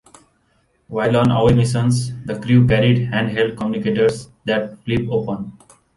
While on away missions, the crew carried hand-held communicators that flip open.